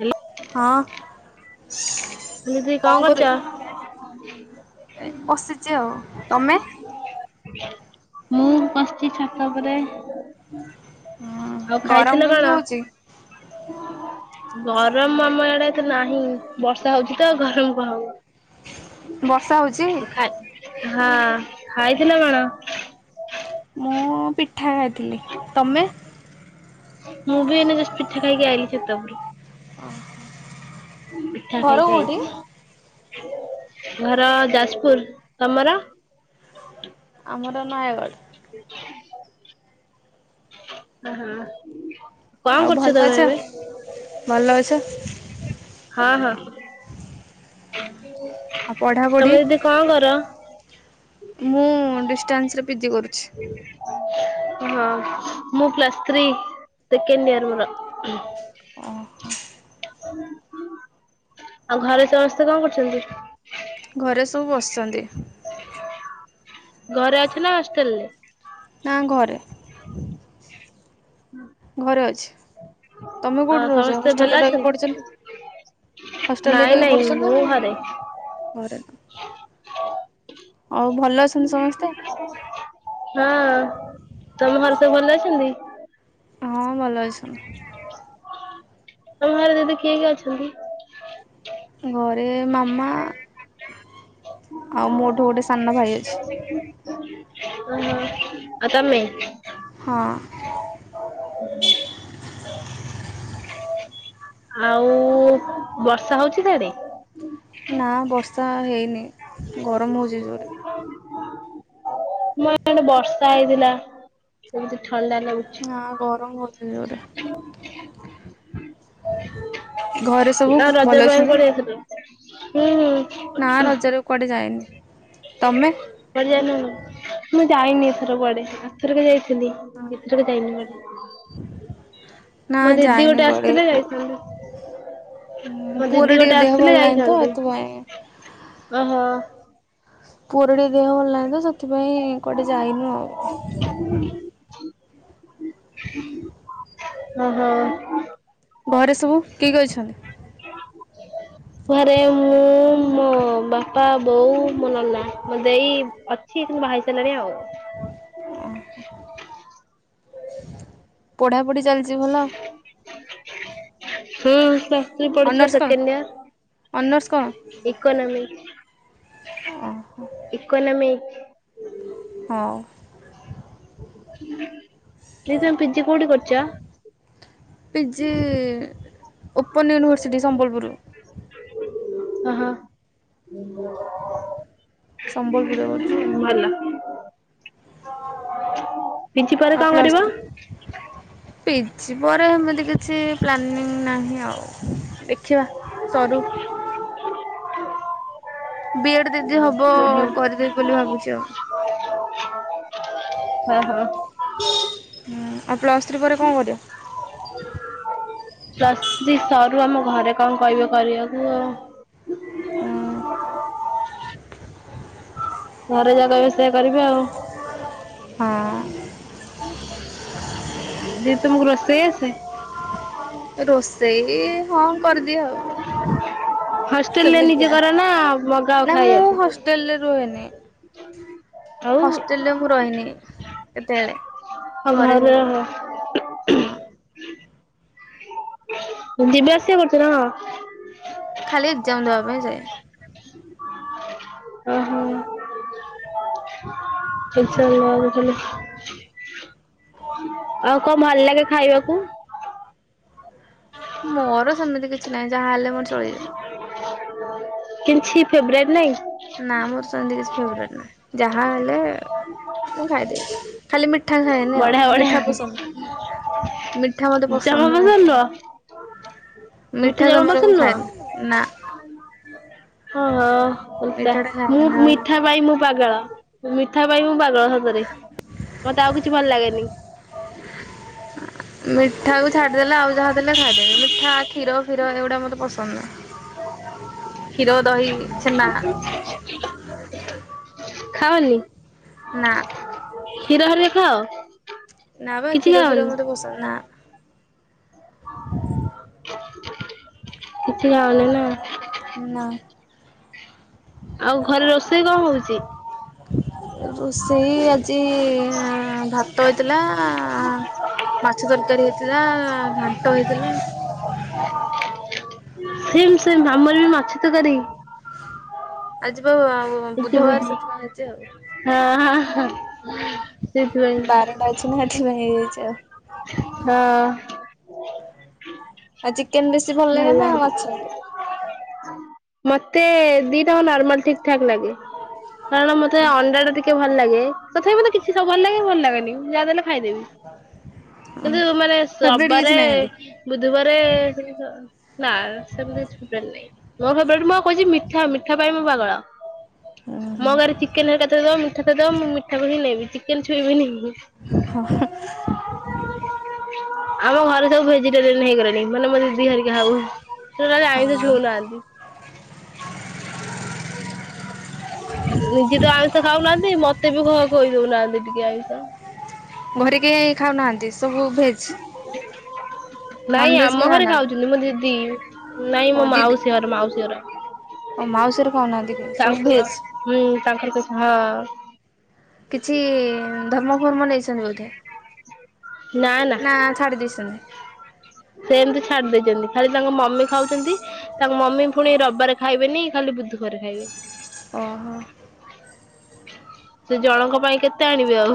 Hello ହଁ। ଦିଦି କଣ କରୁଛ? କରୁ? ବସିଛି ଆଉ ତମେ? ମୁଁ ବସିଛି ଛାତ ଉପରେ। ଆଉ ଗରମ ଖାଇଥିଲେ କେମିତି କଣ? ହଉଛି? ଗରମ ଆମ ଏଡେ ତ ନାହିଁ, ବର୍ଷା ହଉଛି ତ ଆଉ ଗରମ କଣ ହବ? ବର୍ଷା ହଉଚି। ଖା ହଁ ଖାଇଥିଲେ କଣ? ମୁଁ ପିଠା ଖାଇଥିଲି ।ତମେ? ମୁଁ ବି ଏଇନା ଜଷ୍ଟ ପିଠା ଖାଇକି ଆଇଲି ଛାତ ଉପରକୁ। ପିଠା ଘର କୋଉଠି? ଖାଇକିଆଇଛି। ଘର ଯାଜପୁର। ତମର? ମୋର ନୟାଗଡ଼। ହଁ। [inaudible] ଆଉ ଭଲ ଅଛ । ଭଲ ଅଛ। ହଁ ହଁ। ଆଉ ପଢ଼ାପଢ଼ି? ତମେ ଯଦି କଣ କର? ମୁଁ ଡିଷ୍ଟାନ୍ସରେ ପିଜି କରୁଛି। ହଁ, ମୁଁ ପ୍ଲସ୍ ଥ୍ରୀ, ସେକେଣ୍ଡ ଇୟର ମୋର। [inaudible] ଆଉ ଘରେ ସମସ୍ତେ କଣ କରୁଛନ୍ତି? ଘରେ ସବୁ ବସିଛନ୍ତି। ଘରେ ଅଛି ନା ହଷ୍ଟେଲରେ। ନା ଘରେ। ଘରେ ଅଛି, ତମେ ଅ କୋଉଠି ରହୁଛ ସମସ୍ତେ ଭଲ ହଷ୍ଟେଲରେ ରହି ପଢୁଚ ଅଛନ୍ତି? ନା, ହଷ୍ଟେଲରେ ନାଇଁ ରହି ନାଇଁ ପଢୁଚ ମୁଁ ନା ଘରେ ଘରେ। ଆଉ ଭଲ ଅଛନ୍ତି ସମସ୍ତେ। ହଁ, ତମ ଘରେ ସବୁ ଭଲ ଅଛନ୍ତି। ହଁ, ଭଲ ଅଛନ୍ତି। ତମ ଘରେ ଦିଦି କିଏ କିଏ ଅଛନ୍ତି? ଘରେ ମାମା ଆଉ ମୋଠୁ ଗୋଟେ ସାନ ଭାଇ ଅଛି। ଓହୋ ଆଉ ତମେ । ହଁ। ଆଉ ବର୍ଷା ହଉଛି ସାଡେ। ନା, ବର୍ଷା ହେଇନି। ଗରମ ହେଉଛି ଜୋରେ। ଆମ ୟାଡେ ବର୍ଷା ହେଇଥିଲା। ଥଣ୍ଡା ଲାଗୁଛି। ନା ଗରମ ହଉଛି ଜୋରେ। ଘରେ ସବୁ ଆଉ ରଜ ଭଲ ଅଛନ୍ତି? ପାଇଁକୁଆଡେ ଯାଇଥିଲୁ ହୁଁ ନା ହୁଁ। ରଜରେ କୁଆଡେ ଯାଇନି। ତମେ। [inaudible] ମୁଁ ଯାଇନି ଏଥର କୁଆଡେ ଆରଥରକ ଯାଇଥିଲି। ଏଥର ଯାଇନି କୁଆଡେ ନା ।ମୋ ଦିଦି ଯାଇନି ଗୋଟେ କୁଆଡେ ଆସିଥିଲେ ପୁ ଯାଇଥାନ୍ତି। ମୋ ପୁଅର ଦିଦି ଟିକେ ଗୋଟେ ଦେହ ଆସିଥିଲେ ଭଲ ନାହିଁ ତ ଯାଇଥାନ୍ତି। ଏଥିପାଇଁ ଓହୋ। ପୁଅ ପୁଅର ଟିକେ ଦେହ ଭଲ ନାହିଁ। ତ ସେଥିପାଇଁ କୋଆଟେ ଯାଇନୁ ଆଉ। ହ, ହ। ଘରେ ସବୁ। କିଏ କିଏ ଅଛନ୍ତି। ଘରେ, ମୁଁ, ମୋ ବାପା, ବୋଉ ମୋ ନନା, ମୋ ଦେଇ ଅଛି। କିନ୍ତୁ ବାହାହେଇ ସାରିଲାଣି ଆଉ। ପଢା ପଢି ଚାଲି [inaudible] ହୁଁ, ତ। ପଢୁଛିପା ଅନର୍ସ କଣ? ସେକେଣ୍ଡ ଅନର୍ସ ଇୟର, କଣ? ଇକୋନମିକ, ଓହୋ ଇକୋନମିକ। ହଁ। ଦେଇ ତମେ ପିଜି କୋଉଠି କରୁଛ? ପିଜି ଓପ। ଉପନୟନ ୟନିଭର୍ସିଟି ସମ୍ବଲପୁର। ହ ହ। ସମ୍ବଲପୁରରେ ଅଛୁ। ପିଜି ପରେ କଣ କରିବ? ପି ଜ୍। ପିଜି ପରେ ଏମିତି କିଛି ପ୍ଲାନିଂ ନାହିଁ ଆଉ। ଏକ। ବି ଏଡ୍ ଦିଦି ହବ ଓହୋ କରିଦେବି ବୋଲି ଭାବୁଛି ଆଉ। ହୁଁ ହୁଁ। ହୁଁ ଆଉ ପ୍ଲସ୍ ଥ୍ରୀ ପରେ କଣ କରିଅ? ପ୍ଲସ ସ୍ତ୍ରୀ ସର୍। ୁ ଆମ ଘରେ କଣ କହିବେ କରିବାକୁ ଆଉ। ଘରେ ଯାହା କହିବେ ସେଇୟଆ କରିବି ଆଉ। ହଁ। ଦେଇ ତମକୁ ରୋଷେଇ ଆସେ। ରୋଷ ସେଇ ହଁ। ସେମିତି କରିଦିଏ ଆଉ ହଷ୍ଟେଲରେ ନିଜେ ସେମିତିଆ କର ନା ମଗାଅ ନା ମୁଁ ଖାଇବାକୁ? ହଷ୍ଟେଲରେ ରୁହେନି। ଆଉ ହଷ୍ଟେଲ ରେ ମୁଁ ରଇନି। କେତେବେଳେ ଘରେ ସବୁବେଳେ ହଁ। ଯିବା ଆସିବା କରୁଥିଲ? ଖାଲି ଏକଜାମ ଦେବା ପାଇଁ ଯାଏ। ଓହୋ [unintelligible] ଆଉ କଣ ଭଲ ଲାଗେ ଖାଇବାକୁ? ମୋର ସେମିତି କିଛି ନାହିଁ। ଯାହାହଲେ ମୋର ଚଳିଯିଵ। କିଛି ଫେବରାଇଟ୍ ନାଇଁ? ନା ମୋର ସେମତି କିଛି ଫେବରାଇଟ ନାହିଁ ଯାହା ତାହେଲେ ମୁଁ ଖାଇଦେବି। ଖାଲି ମି ମିଠା ଖାଏନି। ବଢିଆ ଆଉ ବଢିଆ ମିଠା ପସନ୍ଦ ମିଠା ମତେ ଜମା ପସନ୍ଦ ନୁହେ, ନୁହଁ ମିଠା ଜମା ଜମାରୁ ପସନ୍ଦ ମୁଁ ଖାଏନି ନା। ହଁ ହଁଟା ମିଠା ଟା ମୁଁ ଖାଏନି ଆଉ। ମିଠା ପାଇଁ ମୁଁ ପାଗଳ। ମିଠା ପାଇଁ ମୁଁ ପାଗଳ ସତରେ। ମତେ ଆଉ କିଛି ଭଲ ଲାଗେନି। ମିଠାକୁ ଛାଡିଦେଲେ ଆଉ ଯାହା ଦେଲେ ଖାଇଦେବି ମିଠା, କ୍ଷୀର କ୍ଷୀର ଏଗୁଡା ମୋତେ ପସନ୍ଦ ନୁହେଁ। କ୍ଷୀର, ଦହି, ଛେନା ଖାଅନି? ନା କ୍ଷୀର ହେରିକା ଖାଅ। [inaudible] ନା ବା କିଛି କ୍ଷୀର ଖାଅନି? ଫିର ମତେ ପସନ୍ଦ ନା। [inaudible] [inaudible] କିଛି ଖାଅନି ନା? ନା। ଆଉ ଘରେ ରୋଷେଇ କଣ ହଉଛି? ରୋଷେଇ ଆଜି ଭାତ ହୋଇଥିଲା ମାଛ ତରକାରୀ ହେଇଥିଲା, ଘାଣ୍ଟ ହେଇଥିଲା। ସେମ ସେମ ଆମର ବି ମାଛ ତରକାରୀ। ଆଜି ବା କିଛି ବୁଧବାର ବୁଝ, ସେଥିପାଇଁ ହେଇଛି ଆଉ। ହଁ ହ। [unintelligible] ବାରଟା ଅଛି ନା ଏଥି ପାଇଁ ହେଇଯାଇଛି ଆଉ । ହଁ। [unintelligible] ଆଜି କ୍ ଚିକେନ୍ ବେଶୀ ଭଲ ଲାଗେ ନା ମାଛ? ମତେ ଦିଟା ହକ ନର୍ମାଲ ଠିକ ଠାକ୍ ଲାଗେ । କାରଣ ମତେ ଅଣ୍ଡା ଟା ଟିକ୍ ମୋତେ ଭଲ ଲାଗେ ତଥାପି ମୋତେ କିଛି ସବ ଭଲ ଲାଗେ ଭଲ ଲାଗେନି ଯାହା ଦେଲେ। ଖାଇଦେବି କିନ୍ତୁ ମାନେ ଫେବରେଟ୍ କିଛି ରବବାରେ ନାହାନ୍ତି? ବୁଧବାରେ ନା ସେମତି କିଛି ଫେବରେଟ୍ ନାଇଁ, ମୋ ଫେବରେଟ୍ ମୋ କହୁଛି ମିଠା, ମିଠା ପାଇଁ ମୁଁ ପାଗଳ । ମ ଘରେ ଚିକେନ ହେରିକା ଥିବ ମୁଁ ମିଠା ଦବ ମୁଁ ମିଠାକୁ ନେବିି ଚିକେନ୍ ଛୁଇଁବିନି। ହା ହା। ଆମ ଘରେ ସବୁ ଭେଜିଟେରିୟାନ ହେଇଗଲେଣି [unintelligible] ଆଉ ସେ ଆଇଁଷ ହଁ ଛୁଉଁନାହାନ୍ତି। ନିଜେ ତ ଆଇଁଷ ଖାଉନାହାନ୍ତି ମତେ ବି ଖୁଆଇ ଦଉ ନାହାନ୍ତି। ଦିଦି ଟିକେ ଆଇଁଷ। ଘରେ କେହି ଖାଉନାହାନ୍ତି। ଏ ସବୁ ଭେଜ। ନାଇଁ ଆମ ଘରେ ଖାଉଛନ୍ତି ମୋ ଦିଦି ନାଇଁ ମୋ ଓ ଦିଦି ମାଉସୀହର ମାଉସୀହର ଓ ମାଉସୀ ଘରେ ଖାଉନାହାନ୍ତି କେହି ସବୁ ତାଙ୍କ ଭେଜ୍? ହୁଁ ତାଙ୍କର ହଁ। କିଛି ଧର୍ମଫର୍ମ ନେଇଛନ୍ତି ବୋ ଧେ ନା ନା ସେ ଏମିତି ଛାଡି ଦେବେନି। ଖାଲି ତାଙ୍କ ମମି ଖାଉଛନ୍ତି। ତାଙ୍କ ମମି ପୁଣି ରବିବାରେ ଖାଇବେ ନି ଖାଲି ବୁଧବାରେ ଖାଇବେ। ଓହୋ। ସେ ଜଣଙ୍କ ପାଇଁ କେତେ ଆଣିବେ ଆଉ।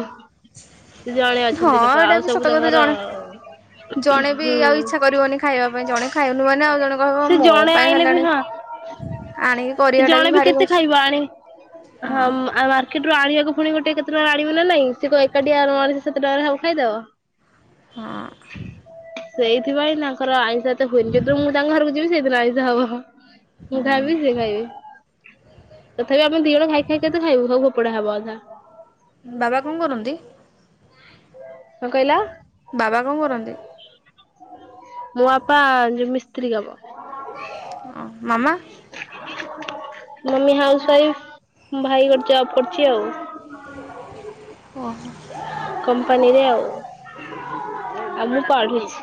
ସେ ଜଣେ ଅଛନ୍ତି ଲୋକ ଆଉ ଏଇଟା ବି ସବୁ ସତ କଥା ତାଙ୍କର ଜଣେ ଜଣେ ବି ହୁଁ। ଆଉ ଇଛା କରିବନି ଖାଇବା ପାଇଁ ଜଣେ ଖାଇନୁ ମାନେ ଆଉ ଜଣେ କହିବ ସେ ମୋ ଜଣେ ପାଇଁ ଆଇଲେ ବି ଖାଇଲାଣି ହଁ ଆଣିକି ସେ କରିବା ଟା ଜଣେ ବି ଭାରି କେତେ କଷ୍ଟ ଖାଇବ ଆଣି ହଁ। ଆଉ ମାର୍କେଟ ରୁ ଆଣିବାକୁ ପୁଣି ଗୋଟେ କେତେଟଙ୍କା ଆଣିବ ନା ନାଇଁ ସେ ଏକାଠି ଆଣ ସେତ ଟଙ୍କାରେ ହଉ। ଖାଇଦବ। ହଁ। ସେଇଥିପାଇଁ ତାଙ୍କର ଆଇଁ ଷ ଏତେ ହୁଏନି ଯେବେ ମୁଁ ତାଙ୍କ ଘରକୁ ଯିବି ସେଇଦିନ ଆଇଁଷ ହବ। ମୁଁ ହଁ। ଖାଇବି ସେ ଖାଇବେ। ତଥାପି ଆମେ ଦି ଜଣ ଖାଇ ଖାଇ କେତେ ଖାଇବୁ ସବୁ ଫୋପଡା ହବ ଅଧା। ବାବା କଣ କରନ୍ତି? କଣ କହିଲ? ବାବା କଣ କରନ୍ତି? ମୋ ବାପା ଯ ମିସ୍ତ୍ରୀ କାମ ହଁ। ମାମା? ମମି ହାଉସ ୱାଇଫ୍, ଭାଇ ଗୋଟେ ଜବ୍ କରୁଛି ଆଉ। ଓହୋ। କମ୍ପାନୀରେ ଆଉ [inaudible] ଆଉ ମୁଁ ପଢୁଛି। [inaudible]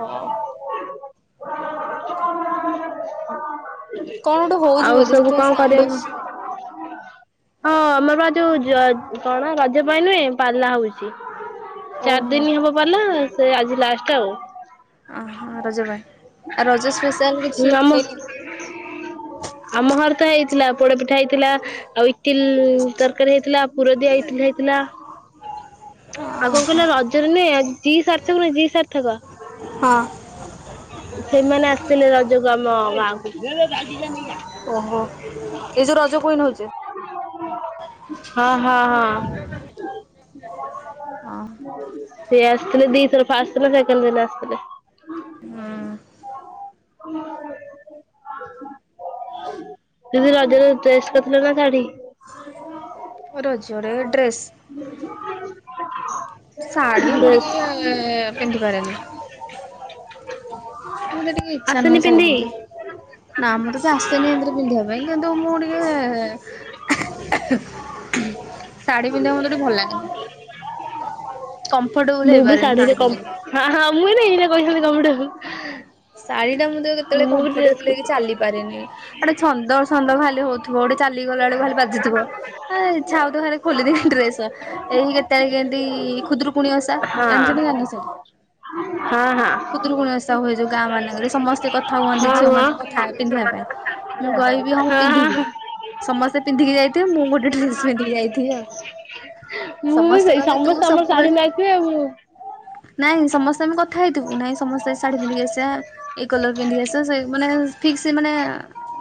ହଉ କଣ ଗୋଟେ [inaudible] ହଉଛି ଆଉ ବୋଧେ ସବୁ ସେଥିପାଇଁ କଣ ସାଉଣ୍ଡ କରିବା ଆସୁଛି କୁ ହଁ ଆମର ପା ଯୋଉ ଯ କଣ ରଜ ପାଇଁ ନୁହେଁ ପାଲା ହଉଚି। ଚାରି ଦିନ ଓହୋ। ହବ ପାଲା। ସେ ଆଜି ଲାଷ୍ଟ ଆଉ। ଓହୋ ରଜ ପାଇଁ ଆଉ ରଜ ସ୍ପେଶାଲ କିଛି ଆମ ହେଇନି [inaudible] ଆମ ଘର ତ ହେଇଥିଲା ପୋଡପିଠା ହେଇଥିଲା ଆଉ ଇଟିଲି ତରକାରୀ ହେଇଥିଲା ପୁରଦିଆ ଇଟିଲ ହେଇଥିଲା। ଆଉ କଣ କହିଲ ରଜରେ ନୁହେ ଜି ସାର୍ଥକ [unintelligible] ଜି ସାର୍ଥକ। ହଁ। ସେଇମାନେ ଆସିଥିଲେ ରଜକୁ ଆମ ଗାଁକୁ। [inaudible] ହଁ ହଁ ଓହୋ। ଏଇ ଯୋଉ ରଜ କୁଇନ ହଉଛେ ହଁ ହଁ ସେ ଆସିଥିଲେ ଦିଇଥର ଫା ସାଇକଲ ଦିନ ଆସଥିଲେ। ହଁ। [inaudible] ଦିଦି ରଜରେ ଡ୍ରେସ୍ କରିଥିଲ ନା ଶାଢୀ? ରଜରେ ଡ୍ରେସ୍। ଶାଢୀ ମୁଁ ଡ୍ରେସ୍ ଟିକେ ପିନ୍ଧି ପାରେନି। [inaudible] ମୁ ତ ଟିକେ ଇଚ୍ଛା ନୁହେଁ ଆସନି ଶାଢୀ ପିନ୍ଧି। ପିନ୍ଧିବେ ନା ମୁଁ ତ ଆସେନି ଏଥିରେ ପିନ୍ଧିବା ପାଇଁ କିନ୍ତୁ ମୁଁ ଟିକେ [inaudible] ଶାଢୀ ଟ ଭଲ [inaudible] ମୁଁ କଫର୍ଟବୁଲ ବି ହେଇପାରନି ଶାଢୀରେ ଶାଢୀ କମ୍ ପନ୍ଧ ହଁ ହଁ ମୁଁ ଏଇନା [unintelligible] ଶାଢୀଟା ମୁଁ ତ କେତେବେଳେ ମୁଁ ବି ଡ୍ରେସ କମ୍ଫର୍ଟେବୁଲ ହେଇକି କରିଥିଲି ଚାଲି ପାରିନି ଆଡେ ଛନ୍ଦ ଛନ୍ଦ ଖାଲି ହଉଥିବ ଗୋଟେ ଚାଲିଗଲା ବଡେ ଭାଲି ବାଜିଥିବ ଇଚ୍ଛା ହୋଉଥି ଖୋଲିଦି ଡ୍ରେସ ଏଇ କେତେବେଳେ କେଏନ୍ତି ଖୁଦରୁକୁୁଣି ଓସା ଜାଣିଛନ୍ତି ହଁ ଜାନ ସେଇଟା ହଁ ହଁ। ଖୁଦରୁକୁୁଣି ଓସା ଯୋଉ ଗାଁ ମାନଙ୍କରେ ସମସ୍ତେ କଥା ହୁହନ୍ତି ହଁ ହଁ। ଝିଅମାନେ କଥା ପିନ୍ଧିବା ପାଇଁ ମୁଁ କହିବି ହଁ ପିନ୍ଧିବି, ସମସ୍ତେ ପିନ୍ଧିକି ଯାଇଥିବେ ମୁଁ ଗୋଟେ ଡ୍ରେସ ପିନ୍ଧିକି ଯାଇି [inaudible] ମୁଁ ବି ସମସ୍ତେ ସେଇ କହିବେ ତୁ ସମସ୍ତେ ଆମର ଶାଢୀ ସବୁବେଳେ ନାଇଥିବେ ଆଉ। ନାଇଁ ସମସ୍ତେ ଆମେ କଥା ହେଇଥିବୁ ନାଇଁ ସମସ୍ତେ ଶାଢୀ ପିନ୍ଧିକି ଆସି ଏ କଲର ପିନ୍ଧିକି କି ଆସ ସେ ମାନେ ଫିକ୍ସ ମାନେ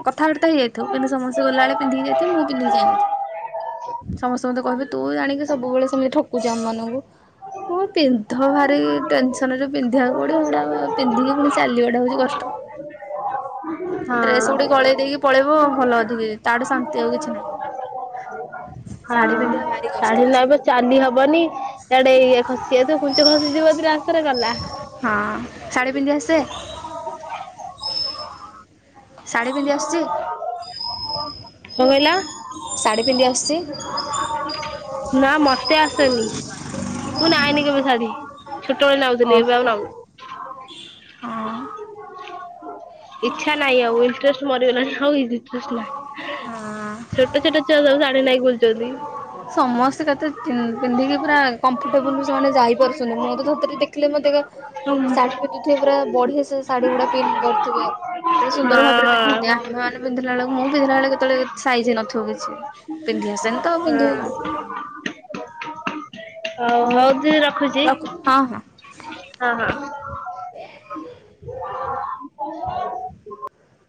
କଥାବାର୍ତ୍ତା ହେଇଯାଇଥାଉ କିନ୍ତୁ ସମସ୍ତେ ଗଲାବେଳେ ପିନ୍ଧିକି ଯାଇଥିବେ ମୁଁ ପିନ୍ଧିକି ଯାଇ ନ ଥିବି ସମସ୍ତେ ମୋତେ କହିବେ ତୁ ଜାଣିକି ସବୁବେଳେ ସେମିତି ଠକୁଛୁ ଆମ ମାନଙ୍କୁ ମୁଁ ପିନ୍ଧ ଭାରି ଟେନସନରେ ପିନ୍ଧିବାକୁ ପଡିବୁ ଏଗୁଡ଼ାକ। ପୁଣି ଚାଲିବାଟା ହଉଛି କଷ୍ଟ। ଡ୍ରେସ ହଁ ହଁ ଗୁଡିକ ଗଳେଇ ଦେଇକି ପଳେଇବ ଭଲ ଅଧିକ ତାଠୁ ଶାନ୍ତି ଆଉ କିଛି ନାହିଁ। ଶାଢ଼ୀ ପିନ୍ଧିବା ଭାରି କଷ୍ଟ। ଜାଣ ନ ଏବ ଚାଲି ହବନି ସେଆଡେ ଇ ଖସି ଯାଇଥିବ କୁଞ୍ଚ ଖସିଯିବ ରାସ୍ତାରେ ଗଲା। ହଁ ଶାଢ଼ୀ ପିନ୍ଧି ଆସେ [inaudible] [unintelligible] ଶାଢ଼ୀ ପିନ୍ଧି ଆସୁଛି? କଣ କହିଲ? ଶାଢ଼ୀ ପିନ୍ଧି ଆସୁଛି। ନା ମତେ ଆସେନି ମୁଁ ନାଇନି କେବେ ଶାଢୀ। ଛୋଟବେଳେ ନାଉଥିଲି ଏବେ ଆଉ ଓହୋ ହଁ ନାଉ। ହଁ। ଇଚ୍ଛା ନାହିଁ ଆଉ ଇଣ୍ଟେରଷ୍ଟ ମରିଗଲାଣି ଆଉ ଇଣ୍ଟେରଷ୍ଟ ନାଇଁ। ଛୋଟ ଛୋଟ ଛୁଆ ସବୁ ଶାଢୀ ନାଇଁ। ଭୁଲ ଯଦି ସମସ୍ତେ କେତେ ପିନ୍ଧିକି ପୁରା କମ୍ଫର୍ଟେବୁଲ ସେମାନେ ଯାଇପାରୁଛନ୍ତି ମୁଁ ତ ଥରେ ଦେଖିଲେ ମତେ ହଁ ଶାଢୀ ପିନ୍ଧୁଥିବେ ପୁରା ବଢିଆ ସେ ଶାଢୀ ଗୁଡା କରିଥିବେ କେତେ ସୁନ୍ଦର ଭାବରେ ପିନ୍ଧନ୍ତି ହଁ ଆମେମାନେ ପିନ୍ଧିଲା ବେଳକୁ ମୁଁ ପିନ୍ଧିଲା ବେଳେ କେତେବେଳେ ସାଇଜ ହଇ ନଥିବ କିଛି ପିନ୍ଧି ଆସେନି ତ ଆଉ [unintelligible] ପିନ୍ଧିବୁ। ହଉ ହଉ ଦି ରଖୁଛି ରଖୁ ହଁ ହଁ। ହଁ ହଁ। [unintelligible]